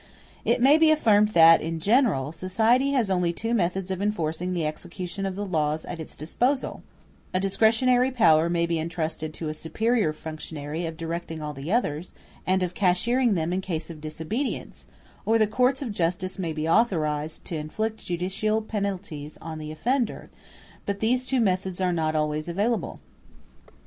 It may be affirmed that, in general, society has only two methods of enforcing the execution of the laws at its disposal: a discretionary power may be entrusted to a superior functionary of directing all the others, and of cashiering them in case of disobedience; or the courts of justice may be authorized to inflict judicial penalties on the offender: but these two methods are not always available.